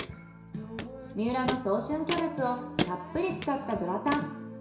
三浦の早春キャベツをたっぷり使ったグラタン。